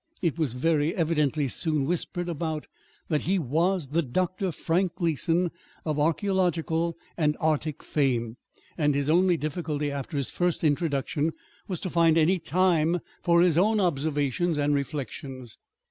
It was very evidently soon whispered about that he was the Dr. Frank Gleason of archæological and Arctic fame; and his only difficulty, after his first introduction, was to find any time for his own observations and reflections.